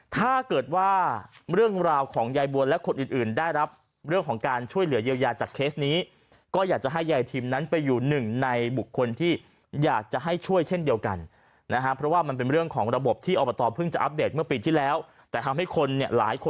ถ้าเกิดว่าเรื่องราวของยายบวนและคนอื่นได้รับเรื่องของการช่วยเหลือเยอะแยะแย่จากเคสนี้